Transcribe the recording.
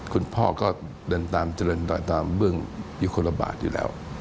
คุณพ่อก็เดินตามเจริญต่อตามเบื้องยุคลบาทอยู่แล้ว